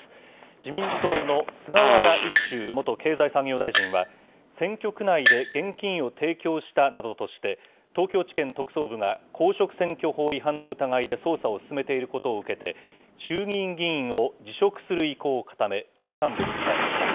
自民党の菅原一秀元経済産業大臣は、選挙区内で現金を提供したなどとして、東京地検特捜部が公職選挙法違反の疑いで捜査を進めていることを受けて、衆議院議員を辞職する意向を固め、党幹部に伝えました。